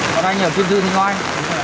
còn anh ở phú lương thì ngoài